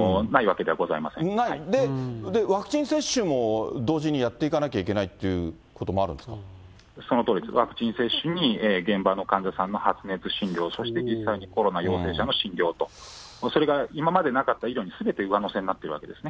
で、ワクチン接種も同時にやっていかなきゃいけないっていうこともあそのとおりです、ワクチン接種に、現場の患者さんの発熱診療、それから実際にコロナ陽性者の診療と、それが今までなかった医療にすべて上乗せになっているわけですね。